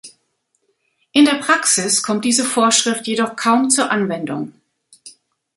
In der Praxis kommt diese Vorschrift jedoch kaum zur Anwendung.